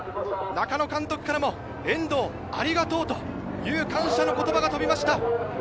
中野監督からも「遠藤、ありがとう」という感謝の言葉が飛びました。